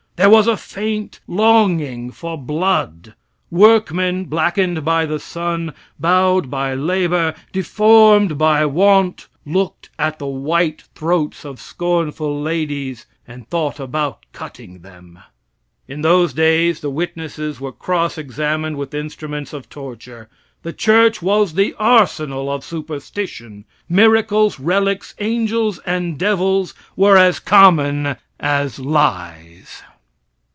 There was a faint longing for blood. Workmen, blackened by the sun, bowed by labor, deformed by want; looked at the white throats of scornful ladies and thought about cutting them. In those days the witnesses were cross examined with instruments of torture; the church was the arsenal of superstition; miracles, relics, angels, and devils were as common as lies.